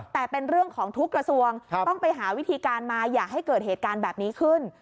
แต่เป็นเรื่องของทุกกระทรวงต้องไปหาวิธีการมาอย่าให้เกิดเหตุการณ์แบบนี้ขึ้น